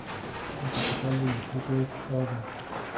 La capital del distrito es Horgen.